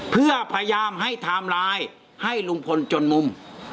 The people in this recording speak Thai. เพื่อพยายามให้ทำลายให้หลุมพลธ์จนมุม